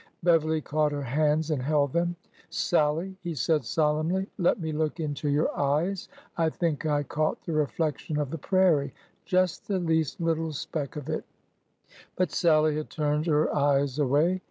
Beverly caught her hands and held them. " Sallie," he said solemnly, let me look into your eyes. I think I caught the reflection of the prairie — just the least little speck of it." But Sallie had turned her eyes away.